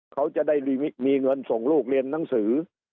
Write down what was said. เขาจะได้มีเงินส่งลูกเรียนหนังสือ